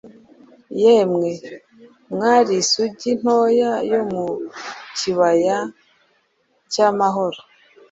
Yemwe mwari isugi ntoya yo mu kibaya cyamahoro